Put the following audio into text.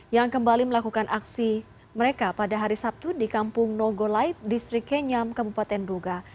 yang kembali melakukan aksi mereka pada hari sabtu di kampung nogolait distrik kenyam kabupaten duga